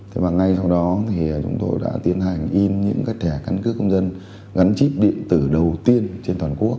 thế và ngay sau đó thì chúng tôi đã tiến hành in những cái thẻ căn cước công dân gắn chip điện tử đầu tiên trên toàn quốc